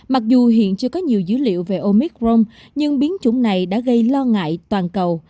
mặc dù hiện chưa có nhiều dữ liệu về omicron nhưng biến chủng này đã gây lo ngại toàn cầu